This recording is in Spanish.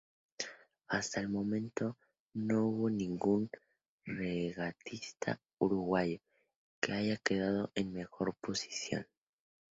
Hasta el momento no hubo ningún regatista uruguayo que haya quedado en mejor posición.